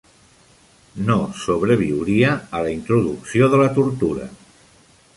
No sobreviuria a la introducció de la tortura.